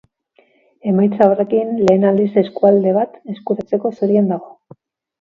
Emaitza horrekin lehen aldiz eskualde bat eskuratzeko zorian dago.